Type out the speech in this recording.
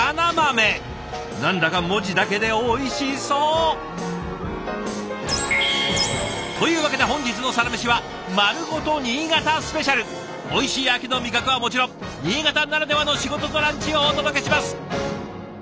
何だか文字だけでおいしそう！というわけで本日の「サラメシ」はおいしい秋の味覚はもちろん新潟ならではの仕事とランチをお届けします！